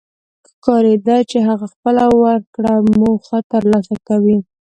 ښکارېده چې هغه خپله ورکړه موخه تر لاسه کوي.